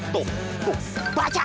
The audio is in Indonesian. tuh tuh baca